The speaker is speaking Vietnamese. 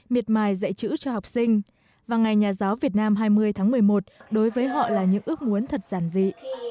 miệt mài dạy chữ cho học sinh và ngày nhà giáo việt nam hai mươi tháng một mươi một đối với họ là những ước muốn thật giản dị